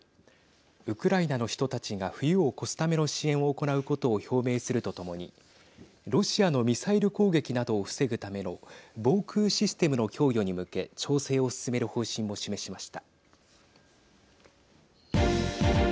ウクライナの人たちが冬を越すための支援を行うことを表明するとともにロシアのミサイル攻撃などを防ぐための防空システムの供与に向け調整を進める方針も示しました。